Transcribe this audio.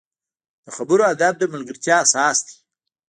د خبرو ادب د ملګرتیا اساس دی